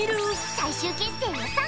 最終決戦は３月！